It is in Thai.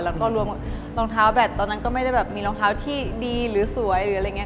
แล้วก็รวมรองเท้าแบตตอนนั้นก็ไม่ได้แบบมีรองเท้าที่ดีหรือสวย